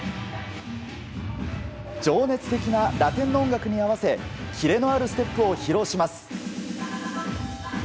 情熱的なラテンの音楽に合わせキレのあるステップを披露します。